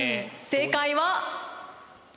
正解は？